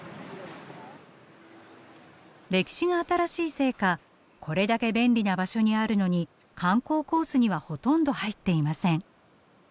歴史が新しいせいかこれだけ便利な場所にあるのに観光コースにはほとんど入っていません。